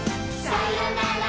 さようなら！